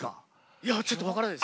いやちょっと分からないです。